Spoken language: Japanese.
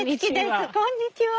こんにちは。